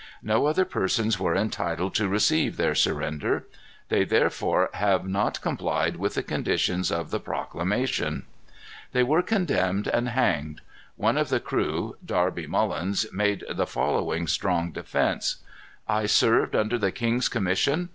No other persons were entitled, to receive their surrender. They therefore have not complied with the conditions of the proclamation." They were condemned and hanged. One of the crew, Darby Mullens, made the following strong defence: "I served under the king's commission.